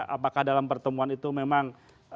apakah dalam pertemuan itu memang